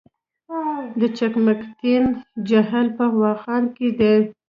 د چقمقتین جهیل په واخان کې دی